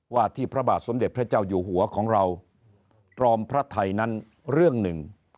ว่าที่พระบาทสมเด็จพระเจ้าอยู่หัวของเราตรอมพระไทยนั้นเรื่องหนึ่ง